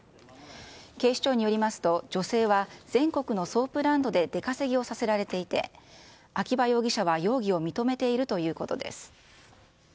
警視庁によりますと、女性は全国のソープランドで出稼ぎをさせられていて、秋葉容疑者は容疑を認めているということです。